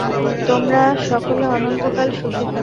তোমরা সকলে অনন্তকাল সুখে থাক।